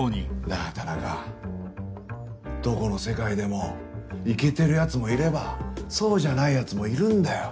なあ田中どこの世界でもイケてる奴もいればそうじゃない奴もいるんだよ。